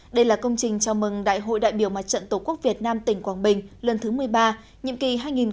đây là công trình chào mừng đại hội đại biểu mặt trận tổ quốc việt nam tỉnh quảng bình lần thứ một mươi ba nhiệm kỳ hai nghìn một mươi chín hai nghìn hai mươi bốn